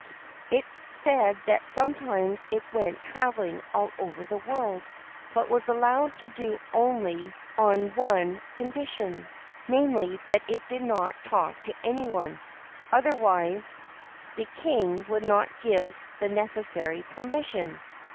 It said that sometimes it went travelling all over the world, but was allowed to do so only on one condition : namely, that it did not talk to any one ; otherwise the King would not give the necessary permission.